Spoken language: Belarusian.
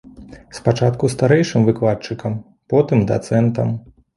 Спачатку старэйшым выкладчыкам, потым дацэнтам.